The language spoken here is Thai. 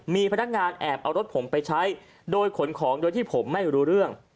มีพนักงานแอบเอารถผมไปใช้โดยขนของโดยที่ผมไม่รู้เรื่อง